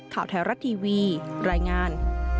ข่าวไทยรัฐทีวีรายงาน